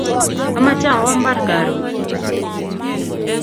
Amache awo mbar karun